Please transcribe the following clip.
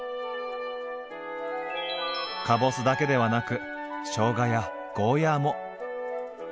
かぼすだけではなくしょうがやゴーヤーも。